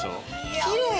きれい。